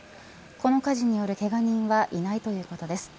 この火事によるけが人はいないということです。